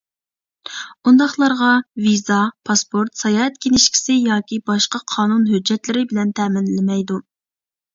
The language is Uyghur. ئۇنداقلارغا ۋىزا ، پاسپورت ، ساياھەت كىنىشكىسى ياكى باشقا قانۇن ھۆججەتلىرى بىلەن تەمىنلىمەيدۇ.